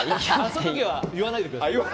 その時は言わないでください。